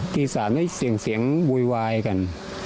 ตี๓ได้เสียงบุยวายกัน